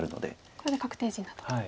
これで確定地になったと。